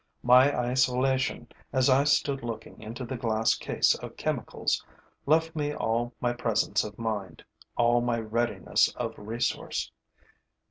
My isolation, as I stood looking into the glass case of chemicals, left me all my presence of mind, all my readiness of resource.